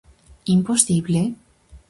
Imposible?